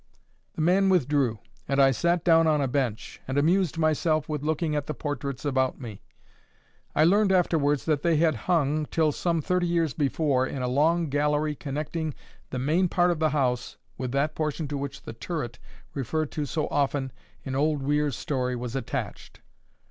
The man withdrew, and I sat down on a bench, and amused myself with looking at the portraits about me. I learned afterwards that they had hung, till some thirty years before, in a long gallery connecting the main part of the house with that portion to which the turret referred to so often in Old Weir's story was attached.